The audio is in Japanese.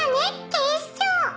警視庁！」